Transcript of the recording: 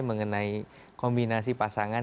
mengenai kombinasi pasangan